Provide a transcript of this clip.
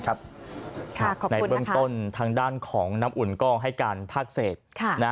ในเบื้องต้นทางด้านของน้ำอุ่นก็ให้การภาคเศษ